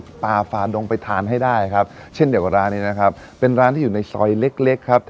คุณผู้ชมขึ้นชื่อพวกของอร่อยนะครับ